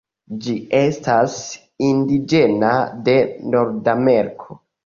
Ĝi estas indiĝena de Nordameriko.